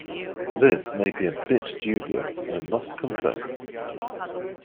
This made me a bit dubious, I must confess.